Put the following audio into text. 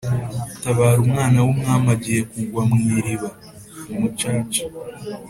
Tabara umwana w'umwami agiye kugwa mu iriba-Umucaca.